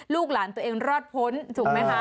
ลูกหลานตัวเองรอดพ้นถูกไหมคะ